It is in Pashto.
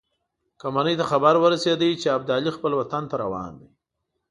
کمپنۍ ته خبر ورسېد چې ابدالي خپل وطن ته روان دی.